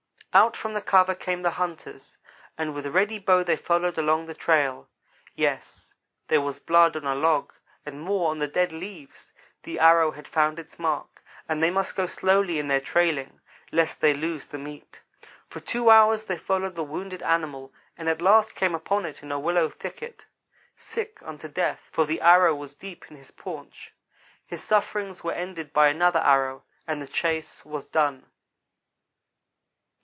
Out from the cover came the hunters, and with ready bow they followed along the trail. Yes there was blood on a log, and more on the dead leaves. The arrow had found its mark and they must go slowly in their trailing, lest they lose the meat. For two hours they followed the wounded animal, and at last came upon him in a willow thicket sick unto death, for the arrow was deep in his paunch. His sufferings were ended by another arrow, and the chase was done.